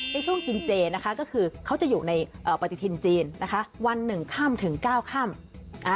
ในช่วงกินเจนะคะก็คือเขาจะอยู่ในปฏิทินจีนนะคะวันหนึ่งค่ำถึง๙ค่ำ